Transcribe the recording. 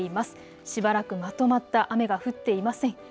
しばらくまとまった雨が降っていません。